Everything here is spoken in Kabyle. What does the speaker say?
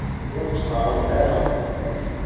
Ur d-ttqerrib ara.